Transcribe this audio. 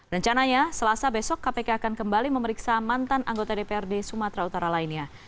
rencananya selasa besok kpk akan kembali memeriksa mantan anggota dprd sumatera utara lainnya